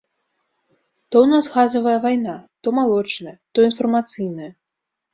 То ў нас газавая вайна, то малочная, то інфармацыйная.